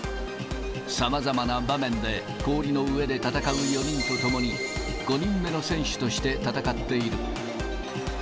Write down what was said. さまざまな場面で氷の上で戦う４人と共に、５人目の選手として戦っている。